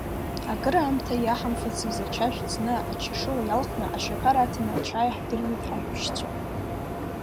Акыраамҭа иаҳамфацыз ачашә ӡны ачашыла иалхны, ашьақар аҭаны ачаи ҳдыржәит ҳаҳәшьцәа.